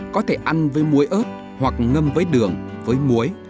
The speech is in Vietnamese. có thể ăn với muối ớt hoặc ngâm với đường với muối